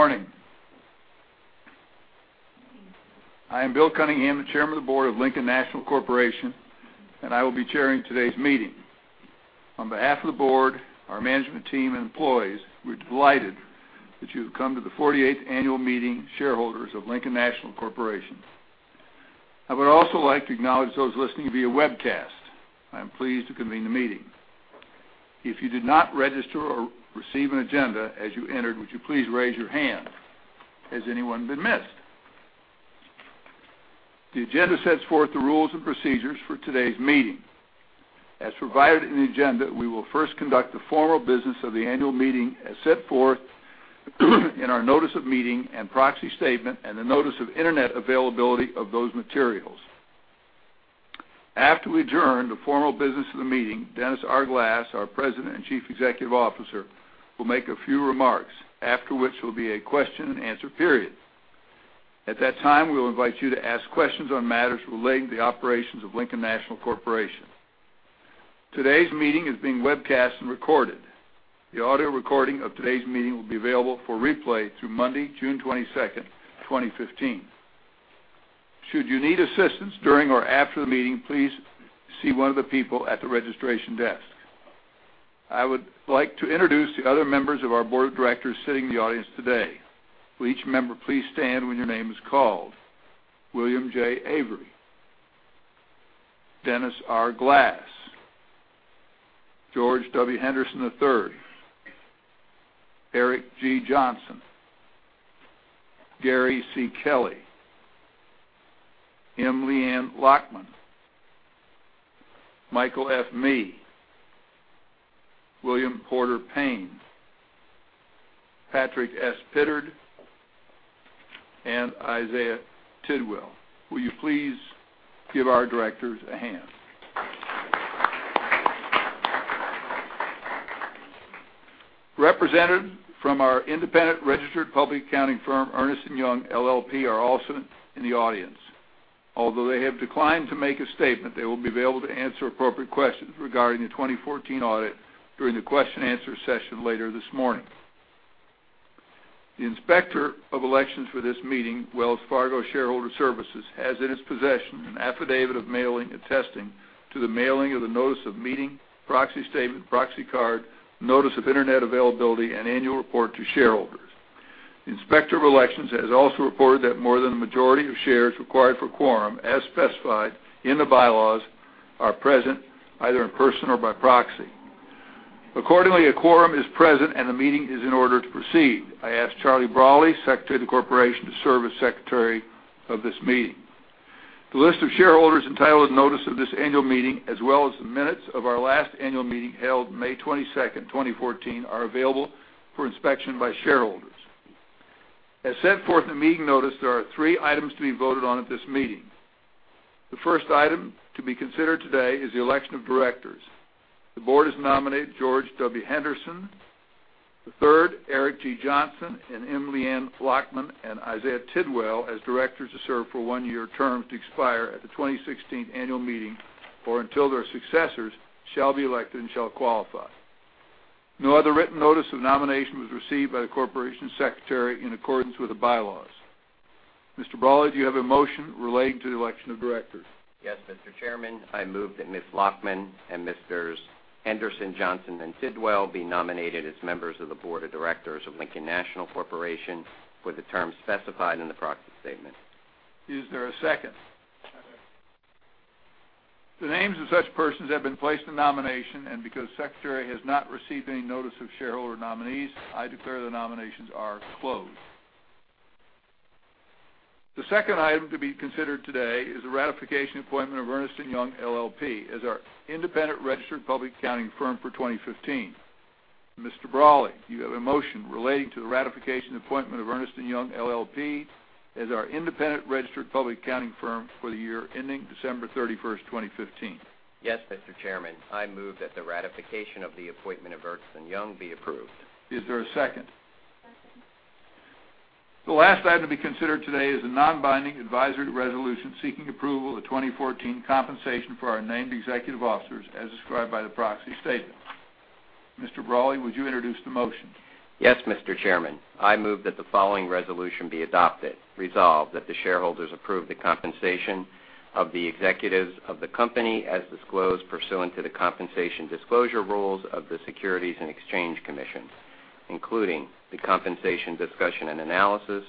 Good morning. I am Bill Cunningham, the Chairman of the Board of Lincoln National Corporation, and I will be chairing today's meeting. On behalf of the board, our management team, and employees, we're delighted that you have come to the 48th Annual Meeting of Shareholders of Lincoln National Corporation. I would also like to acknowledge those listening via webcast. I am pleased to convene the meeting. If you did not register or receive an agenda as you entered, would you please raise your hand? Has anyone been missed? The agenda sets forth the rules and procedures for today's meeting. As provided in the agenda, we will first conduct the formal business of the annual meeting as set forth in our notice of meeting and proxy statement and the notice of internet availability of those materials. After we adjourn the formal business of the meeting, Dennis R. Glass, our President and Chief Executive Officer, will make a few remarks, after which there will be a question and answer period. At that time, we will invite you to ask questions on matters relating to the operations of Lincoln National Corporation. Today's meeting is being webcast and recorded. The audio recording of today's meeting will be available for replay through Monday, June 22nd, 2015. Should you need assistance during or after the meeting, please see one of the people at the registration desk. I would like to introduce the other members of our board of directors sitting in the audience today. Will each member please stand when your name is called? William J. Avery. Dennis R. Glass. George W. Henderson III. Eric G. Johnson. Gary C. Kelly. M. Leanne Lachman. Michael F. Mee. William Porter Payne. Patrick S. Pittard, and Isaiah Tidwell. Will you please give our directors a hand? Representatives from our independent registered public accounting firm, Ernst & Young LLP, are also in the audience. Although they have declined to make a statement, they will be available to answer appropriate questions regarding the 2014 audit during the question and answer session later this morning. The Inspector of Elections for this meeting, Wells Fargo Shareholder Services, has in its possession an affidavit of mailing attesting to the mailing of the notice of meeting, proxy statement, proxy card, notice of internet availability, and annual report to shareholders. The Inspector of Elections has also reported that more than the majority of shares required for quorum, as specified in the bylaws, are present either in person or by proxy. Accordingly, a quorum is present. The meeting is in order to proceed. I ask Charlie Brawley, Secretary of the Corporation, to serve as Secretary of this meeting. The list of shareholders entitled to notice of this annual meeting, as well as the minutes of our last annual meeting held May 22nd, 2014, are available for inspection by shareholders. As set forth in the meeting notice, there are three items to be voted on at this meeting. The first item to be considered today is the election of directors. The board has nominated George W. Henderson III, Eric G. Johnson, and M. Leanne Lachman, and Isaiah Tidwell as directors to serve for one-year terms to expire at the 2016 annual meeting or until their successors shall be elected and shall qualify. No other written notice of nomination was received by the Corporation Secretary in accordance with the bylaws. Mr. Brawley, do you have a motion relating to the election of directors? Yes, Mr. Chairman. I move that Ms. Lachman and Mssrs. Henderson, Johnson, and Tidwell be nominated as members of the Board of Directors of Lincoln National Corporation for the term specified in the proxy statement. Is there a second? Second. The names of such persons have been placed in nomination, because the secretary has not received any notice of shareholder nominees, I declare the nominations are closed. The second item to be considered today is the ratification appointment of Ernst & Young LLP as our independent registered public accounting firm for 2015. Mr. Brawley, do you have a motion relating to the ratification appointment of Ernst & Young LLP as our independent registered public accounting firm for the year ending December 31st, 2015? Yes, Mr. Chairman. I move that the ratification of the appointment of Ernst & Young be approved. Is there a second? Second. The last item to be considered today is a non-binding advisory resolution seeking approval of 2014 compensation for our named executive officers as described by the proxy statement. Mr. Brawley, would you introduce the motion? Yes, Mr. Chairman. I move that the following resolution be adopted. Resolved that the shareholders approve the compensation of the executives of the company as disclosed pursuant to the compensation disclosure rules of the Securities and Exchange Commission, including the compensation discussion and analysis,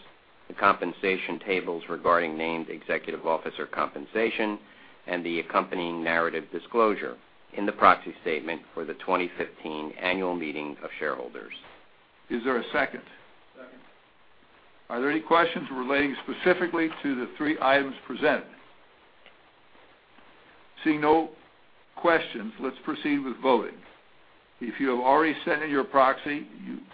the compensation tables regarding named executive officer compensation, and the accompanying narrative disclosure in the proxy statement for the 2015 annual meeting of shareholders. Is there a second? Second. Are there any questions relating specifically to the three items presented? Seeing no questions, let's proceed with voting. If you have already sent in your proxy,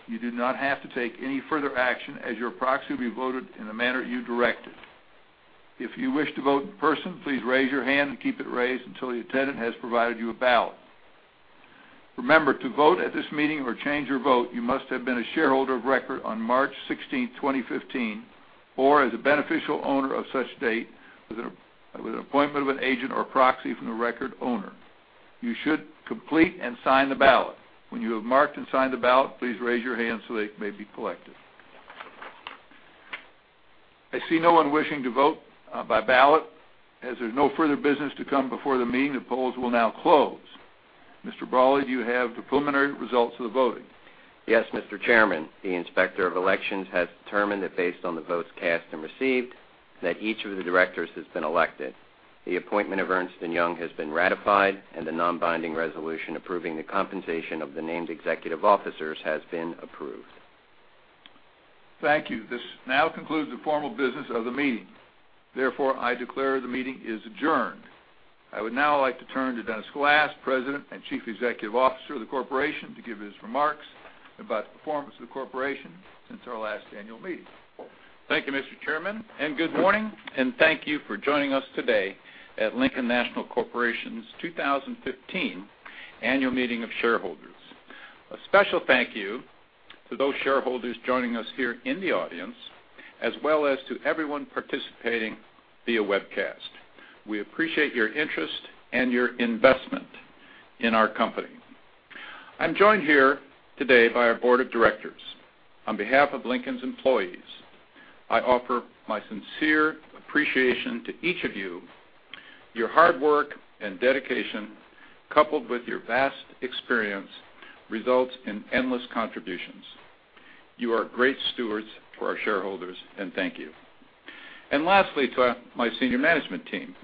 you do not have to take any further action as your proxy will be voted in the manner you directed. If you wish to vote in person, please raise your hand and keep it raised until the attendant has provided you a ballot. Remember, to vote at this meeting or change your vote, you must have been a shareholder of record on March 16th, 2015, or as a beneficial owner of such date with an appointment of an agent or proxy from the record owner. You should complete and sign the ballot. When you have marked and signed the ballot, please raise your hand so they may be collected. I see no one wishing to vote by ballot. As there's no further business to come before the meeting, the polls will now close. Mr. Brawley, do you have the preliminary results of the voting? Yes, Mr. Chairman. The Inspector of Elections has determined that based on the votes cast and received, that each of the directors has been elected. The appointment of Ernst & Young has been ratified, and the non-binding resolution approving the compensation of the named executive officers has been approved. Thank you. This now concludes the formal business of the meeting. I declare the meeting is adjourned. I would now like to turn to Dennis Glass, President and Chief Executive Officer of the Corporation, to give his remarks about the performance of the Corporation since our last annual meeting. Thank you, Mr. Chairman, and good morning, and thank you for joining us today at Lincoln National Corporation's 2015 Annual Meeting of Shareholders. A special thank you to those shareholders joining us here in the audience, as well as to everyone participating via webcast. We appreciate your interest and your investment in our company. I'm joined here today by our board of directors. On behalf of Lincoln's employees, I offer my sincere appreciation to each of you. Your hard work and dedication, coupled with your vast experience, results in endless contributions. You are great stewards for our shareholders, and thank you. Lastly, to my senior management team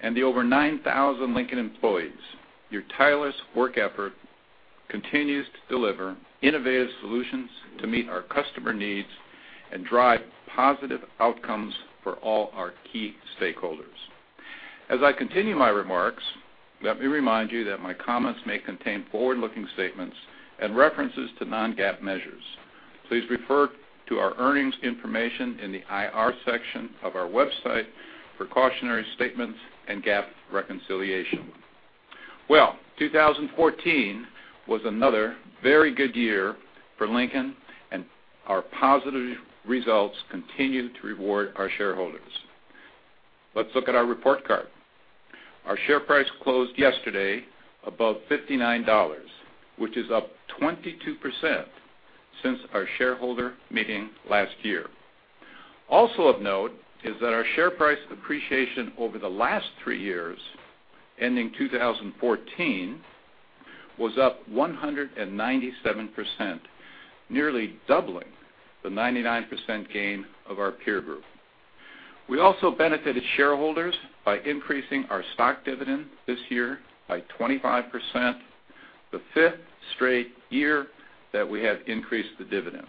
and the over 9,000 Lincoln employees, your tireless work effort continues to deliver innovative solutions to meet our customer needs and drive positive outcomes for all our key stakeholders. As I continue my remarks, let me remind you that my comments may contain forward-looking statements and references to non-GAAP measures. Please refer to our earnings information in the IR section of our website for cautionary statements and GAAP reconciliation. Well, 2014 was another very good year for Lincoln, and our positive results continue to reward our shareholders. Let's look at our report card. Our share price closed yesterday above $59, which is up 22% since our shareholder meeting last year. Also of note is that our share price appreciation over the last three years, ending 2014, was up 197%, nearly doubling the 99% gain of our peer group. We also benefited shareholders by increasing our stock dividend this year by 25%, the fifth straight year that we have increased the dividend.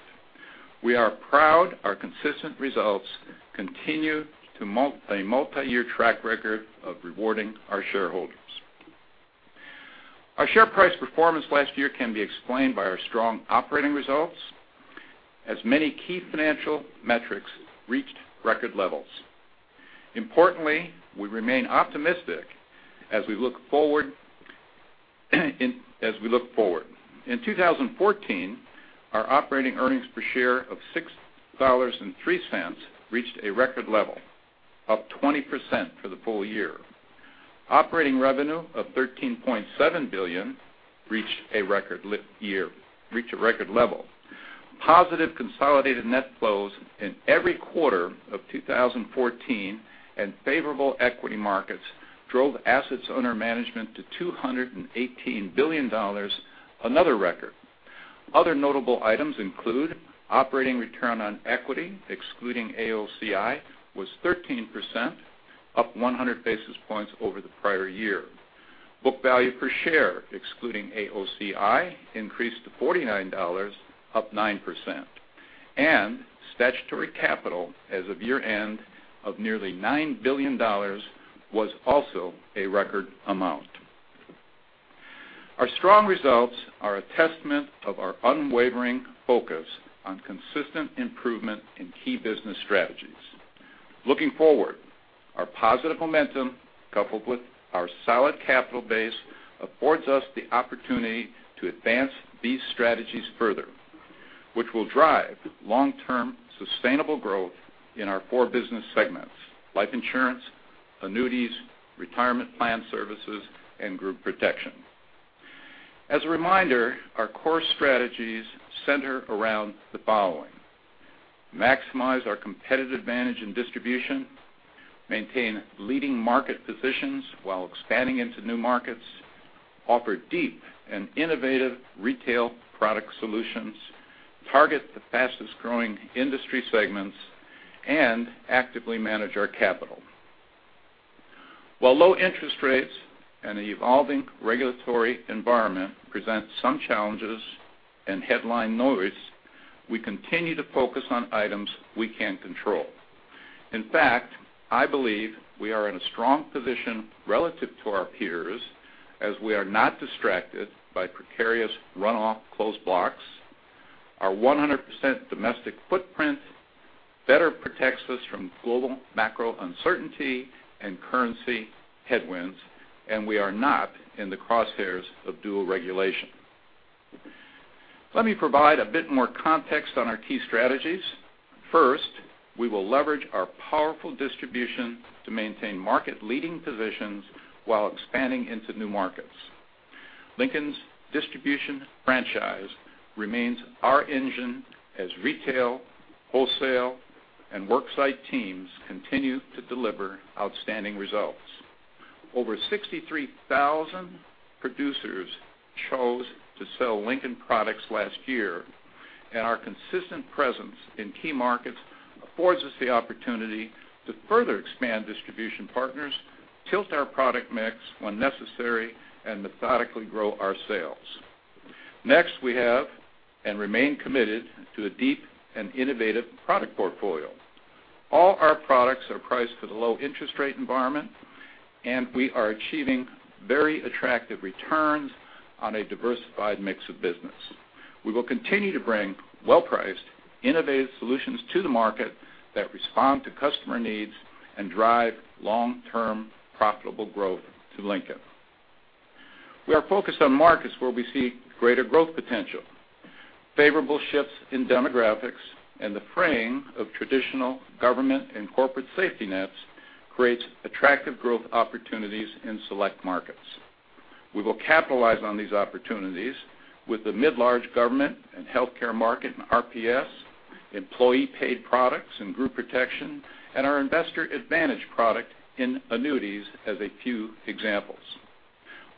We are proud our consistent results continue to a multi-year track record of rewarding our shareholders. Our share price performance last year can be explained by our strong operating results as many key financial metrics reached record levels. Importantly, we remain optimistic as we look forward. In 2014, our operating earnings per share of $6.03 reached a record level, up 20% for the full year. Operating revenue of $13.7 billion reached a record level. Positive consolidated net flows in every quarter of 2014 and favorable equity markets drove assets under management to $218 billion, another record. Other notable items include operating return on equity, excluding AOCI, was 13%, up 100 basis points over the prior year. Book value per share, excluding AOCI, increased to $49, up 9%. Statutory capital as of year-end of nearly $9 billion was also a record amount. Our strong results are a testament of our unwavering focus on consistent improvement in key business strategies. Looking forward, our positive momentum, coupled with our solid capital base, affords us the opportunity to advance these strategies further, which will drive long-term sustainable growth in our four business segments: Life Insurance, Annuities, Retirement Plan Services, and Group Protection. As a reminder, our core strategies center around the following: maximize our competitive advantage and distribution, maintain leading market positions while expanding into new markets, offer deep and innovative retail product solutions, target the fastest-growing industry segments, and actively manage our capital. While low interest rates and the evolving regulatory environment present some challenges and headline noise, we continue to focus on items we can control. In fact, I believe we are in a strong position relative to our peers as we are not distracted by precarious runoff closed blocks, our 100% domestic footprint better protects us from global macro uncertainty and currency headwinds, and we are not in the crosshairs of dual regulation. Let me provide a bit more context on our key strategies. First, we will leverage our powerful distribution to maintain market-leading positions while expanding into new markets. Lincoln's distribution franchise remains our engine as retail, wholesale, and work site teams continue to deliver outstanding results. Over 63,000 producers chose to sell Lincoln products last year, and our consistent presence in key markets affords us the opportunity to further expand distribution partners, tilt our product mix when necessary, and methodically grow our sales. Next, we have and remain committed to a deep and innovative product portfolio. All our products are priced for the low interest rate environment, and we are achieving very attractive returns on a diversified mix of business. We will continue to bring well-priced, innovative solutions to the market that respond to customer needs and drive long-term profitable growth to Lincoln. We are focused on markets where we see greater growth potential. Favorable shifts in demographics and the frame of traditional government and corporate safety nets creates attractive growth opportunities in select markets. We will capitalize on these opportunities with the mid-large government and healthcare market in RPS, employee paid products and Group Protection, and our Investor Advantage product in Annuities, as a few examples.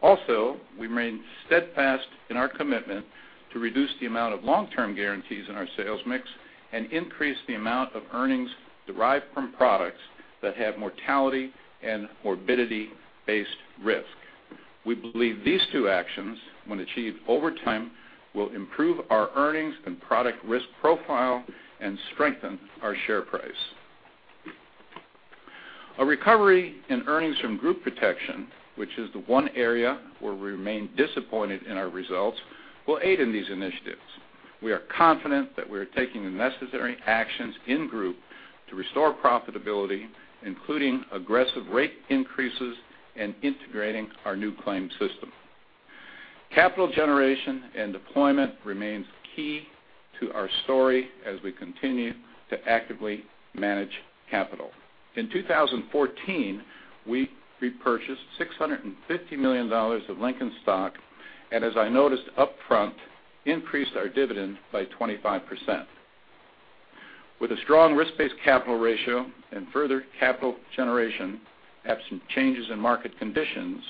Also, we remain steadfast in our commitment to reduce the amount of long-term guarantees in our sales mix and increase the amount of earnings derived from products that have mortality and morbidity-based risk. We believe these two actions, when achieved over time, will improve our earnings and product risk profile and strengthen our share price. A recovery in earnings from Group Protection, which is the one area where we remain disappointed in our results, will aid in these initiatives. We are confident that we are taking the necessary actions in Group to restore profitability, including aggressive rate increases and integrating our new claim system. Capital generation and deployment remains key to our story as we continue to actively manage capital. In 2014, we repurchased $650 million of Lincoln stock, and as I noted upfront, increased our dividend by 25%. With a strong risk-based capital ratio and further capital generation, absent changes in market conditions,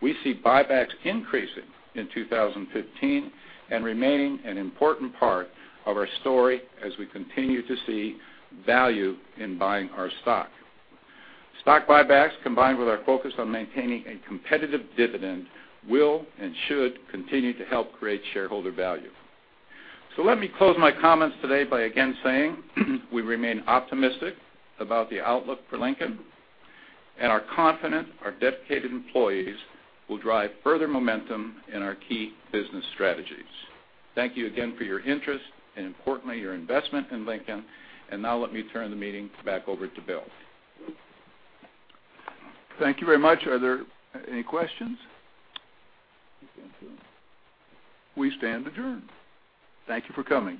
we see buybacks increasing in 2015 and remaining an important part of our story as we continue to see value in buying our stock. Stock buybacks, combined with our focus on maintaining a competitive dividend, will and should continue to help create shareholder value. Let me close my comments today by again saying we remain optimistic about the outlook for Lincoln, and are confident our dedicated employees will drive further momentum in our key business strategies. Thank you again for your interest, and importantly, your investment in Lincoln. Now let me turn the meeting back over to Bill. Thank you very much. Are there any questions? We stand adjourned. Thank you for coming.